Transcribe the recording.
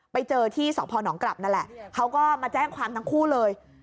ไปเจอที่สพนกลับนั่นแหละเขาก็มาแจ้งความทั้งคู่เลย